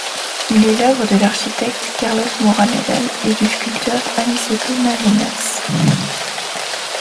Il est l'œuvre de l'architecte Carlos Maura Nadal et du sculpteur Aniceto Marinas.